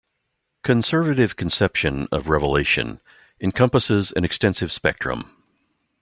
Conservative conception of Revelation encompasses an extensive spectrum.